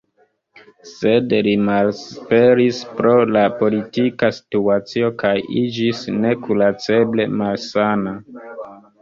Sed li malesperis pro la politika situacio kaj iĝis nekuraceble malsana.